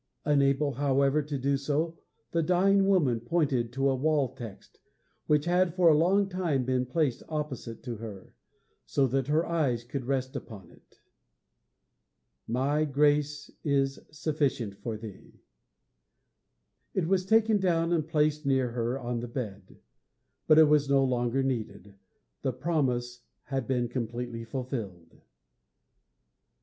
Unable, however, to do so, the dying woman pointed to a wall text, which had for a long time been placed opposite to her, so that her eyes could rest upon it. MY GRACE IS SUFFICIENT FOR THEE It was taken down and placed near her on the bed. But it was no longer needed. The promise had been completely fulfilled.'